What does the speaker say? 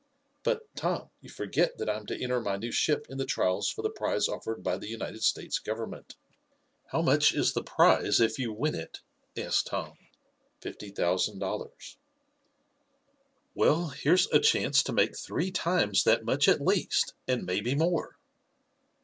"But, Tom, you forget that I am to enter my new ship in the trials for the prize offered by the United States Government." "How much is the prize if you win it?" asked Tom. "Fifty thousand dollars." "Well, here's a chance to make three times that much at least, and maybe more.